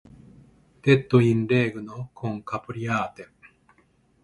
Tetto in legno con capriate.